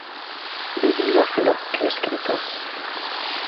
Bibliófilo e escritor.